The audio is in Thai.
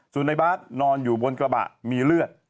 ส่วนในบาทนอนอยู่บนกระบะมีเลือด